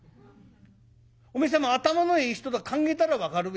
おめえ様頭のいい人だ考えたら分かるべ。